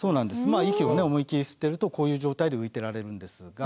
まあ息をね思いっきり吸ってるとこういう状態で浮いてられるんですが。